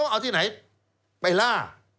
เอาที่ไหนไปล่า